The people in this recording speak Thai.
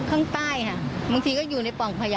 ข้างใต้ค่ะบางทีก็อยู่ในป่องขยะ